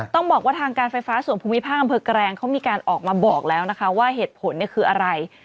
ต้องบอกว่าทางการไฟฟ้าส่วนภูมิภาคอำเภอแกรงเขามีการออกมาบอกแล้วนะคะว่าเหตุผลคืออะไร